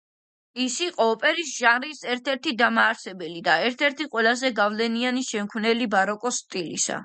ის იყო ოპერის ჟანრის ერთ-ერთი დამაარსებელი და ერთ-ერთი ყველაზე გავლენიანი შემქმნელი ბაროკოს სტილისა.